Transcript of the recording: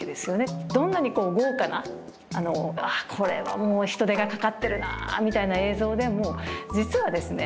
どんなに豪華なこれはもう人手がかかってるなみたいな映像でも実はですね